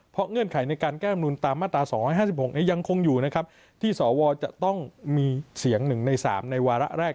เพราะเงื่อนไขในการแก้มนุนตามมาตรา๒๕๖ยังคงอยู่นะครับที่สวจะต้องมีเสียง๑ใน๓ในวาระแรก